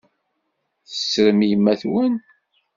Tettrem yemma-twen?